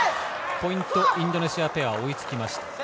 ポイント、インドネシアペア追いつきました。